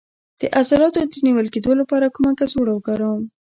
د عضلاتو د نیول کیدو لپاره کومه کڅوړه وکاروم؟